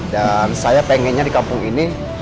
dan saya pengennya di kampung ini